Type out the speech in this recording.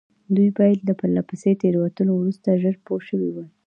دوی باید له پرله پسې تېروتنو وروسته ژر پوه شوي وای.